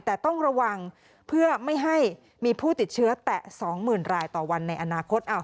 แต่ต้องระวังเพื่อไม่ให้มีผู้ติดเชื้อแตะ๒๐๐๐รายต่อวันในอนาคต